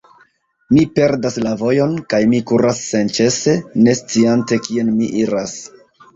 Mi perdas la vojon, kaj mi kuras senĉese, ne sciante, kien mi iras.